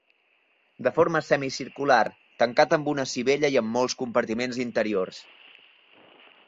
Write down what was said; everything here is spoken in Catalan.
De forma semicircular, tancat amb una sivella i amb molts compartiments interiors.